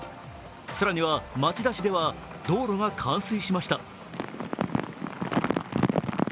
更には町田市では道路が冠水しました。